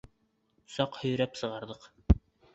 Саҡ һөйрәп сығарҙыҡ.